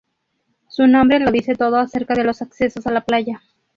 Su nombre lo dice todo acerca de los accesos a la playa.